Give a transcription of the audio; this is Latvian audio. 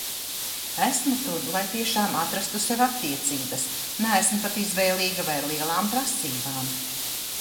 Esmu tur lai tiešām atrastu sev attiecības, neesmu pat izvēlīga vai ar lielām prasībām.